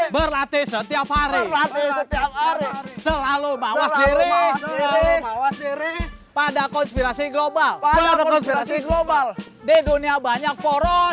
berlatih setiap hari selalu mawas diri pada konspirasi global global di dunia banyak poros